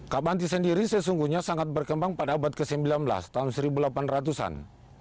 kabanti sendiri sesungguhnya sangat berkembang pada abad ke sembilan belas tahun seribu delapan ratus an